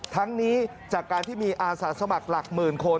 ทั้งนี้จากการที่มีอาสาสมัครหลักหมื่นคน